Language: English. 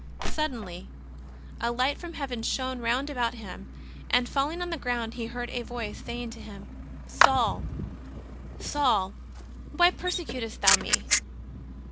Suddenly, a light from Heaven shone round about him, and, falling on the ground, he heard a Voice saying to him :" Saul, Saul, why persecutest thou Me